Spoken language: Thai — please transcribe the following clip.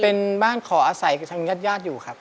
เป็นบ้านขออาศัยกับทางญาติญาติอยู่ครับ